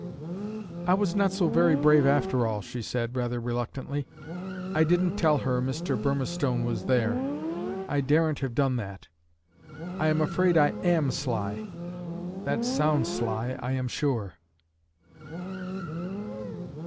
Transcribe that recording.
"I was not so very brave, after all," she said, rather reluctantly. "I didn't tell her Mr. Burmistone was there. I daren't have done that. I am afraid I am sly that sounds sly, I am sure."